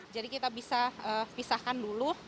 kita bisa pisahkan dulu